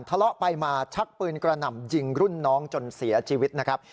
ทะเลาะไปมาชักปืนกระหน่ำยิงรุ่นน้องจนเสียชีวิตนะครับ